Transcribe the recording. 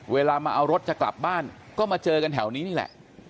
เวลามาเอารถจะกลับบ้านก็มาเจอกันแถวนี้นี่แหละ